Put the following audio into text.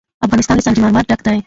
افغانستان له سنگ مرمر ډک دی.